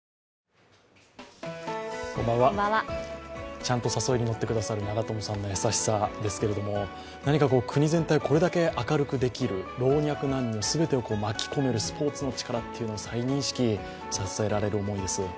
ちゃんと誘いに乗ってくださる長友さんの優しさですけど国全体をこれだけ明るくできる、老若男女、全てを巻き込めるスポーツの力を再認識させられる思いです。